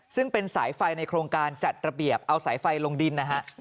ซึ่งเป็นสายไฟในโครงการจัดระเบียบเอาสายไฟลงดินนะฮะ